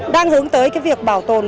đang hướng tới cái việc bảo tồn